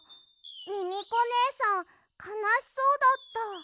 ミミコねえさんかなしそうだった。